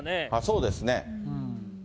そうですね。